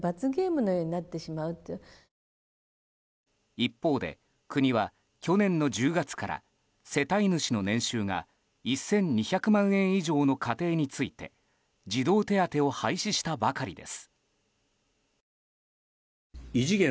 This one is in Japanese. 一方で、国は去年の１０月から世帯主の年収が１２００万円以上の家庭について児童手当を廃止したばかりです。